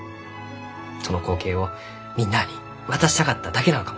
その光景をみんなに渡したかっただけなのかもしれん。